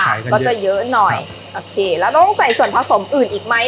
ก็จะเยอะหน่อยโอเคแล้วต้องใส่ส่วนผสมอื่นอีกไหม